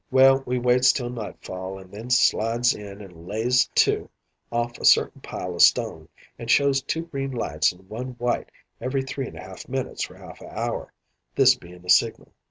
"Well, we waits till nightfall an' then slides in an' lays to off a certain pile o' stone, an' shows two green lights and one white every three and a half minutes for half a hour this being a signal.